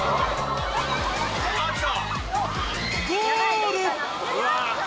あぁ来た！